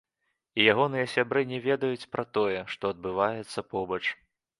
І ягоныя сябры не ведаюць пра тое, што адбываецца побач.